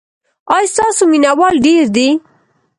ایا ستاسو مینه وال ډیر دي؟